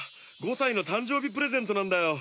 ５さいのたんじょうびプレゼントなんだよ！